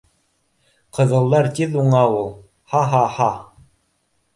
— Ҡыҙылдар тиҙ уңа ул, һа-һа-һа